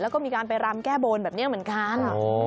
แล้วก็มีการไปรำแก้บนแบบนี้เหมือนกัน